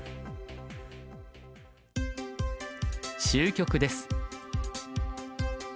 終局です。